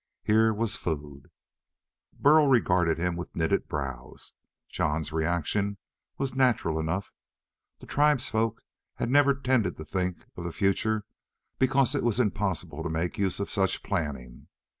Here was food.... Burl regarded him with knitted brows. Jon's reaction was natural enough. The tribesfolk had never tended to think for the future because it was impossible to make use of such planning.